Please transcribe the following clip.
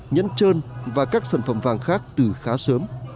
nhẫn trơn và các sản phẩm vàng khác từ khá sớm